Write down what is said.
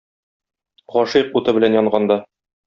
Гашыйк уты белән янганда.